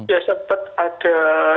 ya sempat ada